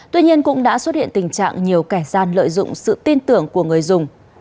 tuy nhiên cũng đã xuất hiện tình trạng nhiều kẻ gian lợi dụng sự tin tưởng của người dùng